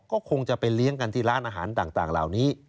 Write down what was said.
ก็คงจะไปเลี้ยงกันที่ร้านอาหารต่างเหล่านี้